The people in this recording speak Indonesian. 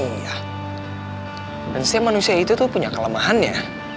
maksudnya manusia itu tuh punya kelemahannya